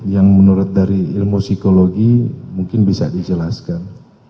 yang menurut dari ilmu psikologi mungkin bisa dijelaskan